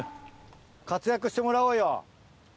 活躍してもらおうよ。